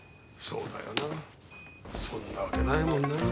そうだよなそんなわけないもんな。